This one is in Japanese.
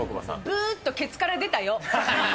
ブーっとケツから出たよ。